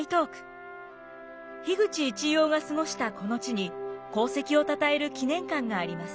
口一葉が過ごしたこの地に功績をたたえる記念館があります。